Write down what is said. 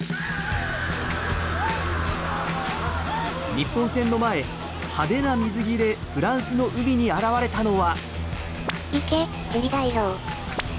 日本戦の前、派手な水着でフランスの海に現れたのは。